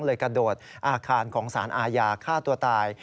กระโดดอาคารของสารอาญาฆ่าตัวตาย